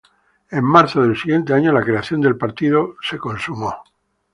En marzo del siguiente año, la creación del partido se consumó.